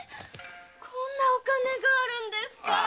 こんなお金があるんですかあ？